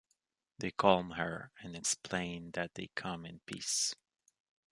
They calm her and explain that they come in peace.